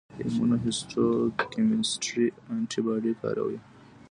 د ایمونوهیسټوکیمسټري انټي باډي کاروي.